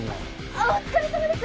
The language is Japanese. あっお疲れさまです。